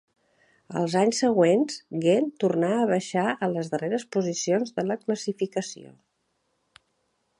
Els anys següents, Ghent tornar a baixar a les darreres posicions de la classificació.